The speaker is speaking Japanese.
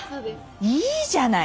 いいじゃない。